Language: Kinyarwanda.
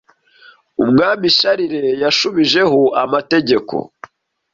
Umwami Charles yashubijeho amategeko